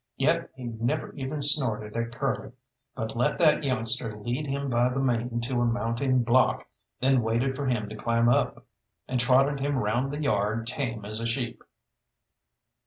Yet he never even snorted at Curly, but let that youngster lead him by the mane to a mounting block; then waited for him to climb up, and trotted him round the yard tame as a sheep.